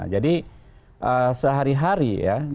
jadi sehari hari ya